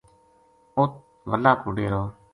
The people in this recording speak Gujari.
اُت وَلا کو ڈیرو